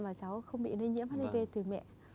và cháu không bị lây nhiễm hdv từ mẹ